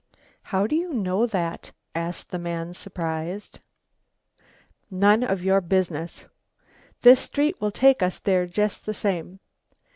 "How do you know that?" asked the man, surprised. "None of your business." "This street will take us there just the same."